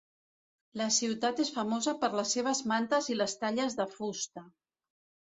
La ciutat és famosa per les seves mantes i les talles de fusta.